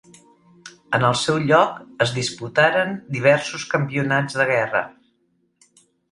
En el seu lloc es disputaren diversos campionats de guerra.